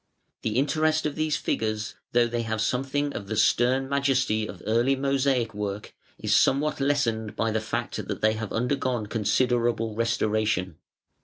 The interest of these figures, though they have something of the stern majesty of early mosaic work, is somewhat lessened by the fact that they have undergone considerable restoration.